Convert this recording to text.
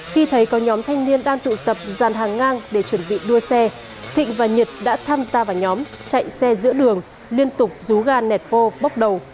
khi thấy có nhóm thanh niên đang tụ tập giàn hàng ngang để chuẩn bị đua xe thịnh và nhật đã tham gia vào nhóm chạy xe giữa đường liên tục rú ga nẹt bô bóc đầu